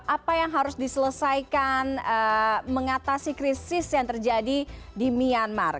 apa yang harus diselesaikan mengatasi krisis yang terjadi di myanmar